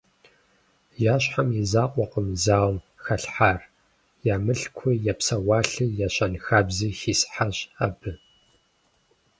Я щхьэм и закъуэкъым зауэм халъхьар, я мылъкуи, я псэуалъи, я щэнхабзи хисхьащ абы.